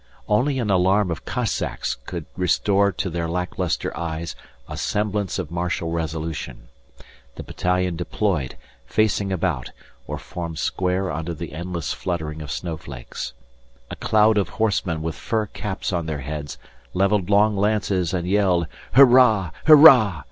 Only an alarm of Cossacks could restore to their lack lustre eyes a semblance of martial resolution. The battalion deployed, facing about, or formed square under the endless fluttering of snowflakes. A cloud of horsemen with fur caps on their heads, levelled long lances and yelled "Hurrah! Hurrah!"